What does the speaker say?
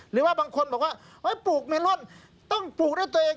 หรือว่าบางคนบอกว่าปลูกเมลอนต้องปลูกด้วยตัวเอง